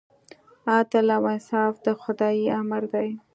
عدل او انصاف د خدای امر دی.